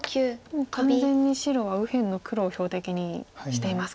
もう完全に白は左辺の黒を標的にしていますか。